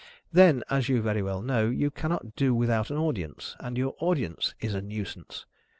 Then, as you very well know, you cannot do without an audience, and your audience is a Nuisance.